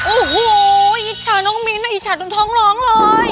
โอ้โหอิชาน้องมิ้นอิชาต้นท้องร้องเลย